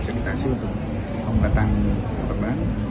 fasilitasi untuk pembuatan korban